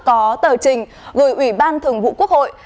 có tờ trình gửi ủy ban thường vụ quốc hội